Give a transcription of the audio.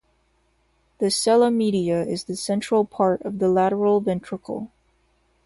The cella media is the central part of the lateral ventricle.